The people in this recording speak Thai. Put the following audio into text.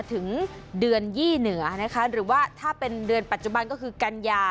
ถึงเดือนยี่เหนือนะคะหรือว่าถ้าเป็นเดือนปัจจุบันก็คือกัญญา